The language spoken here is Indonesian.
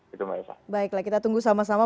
gitu mbak yusof baiklah kita tunggu sama sama